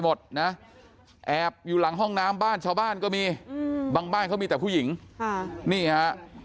หมดนะแอบอยู่หลังห้องน้ำบ้านชาวบ้านก็มีบางบ้านเขามีแต่ผู้หญิงค่ะนี่ฮะ